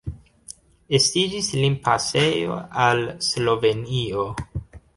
Estiĝis limpasejo al Slovenio.